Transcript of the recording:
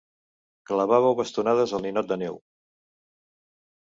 Clavàveu bastonades al ninot de neu.